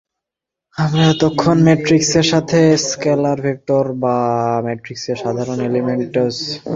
আমরা এতক্ষন ম্যাট্রিক্সের সাথে স্কেলার, ভেক্টর বা ম্যাট্রিক্সের সাধারন এলিমেন্টওয়াইজ অপারেশন দেখেছি।